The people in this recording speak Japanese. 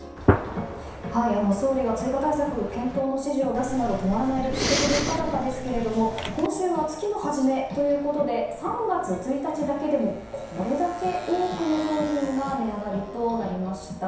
総理は追加対策検討の指示を出すなど止まらない歴史的物価高ですけど今週は月の初めということで３月１日だけでもこれだけ多くの商品が値上がりとなりました。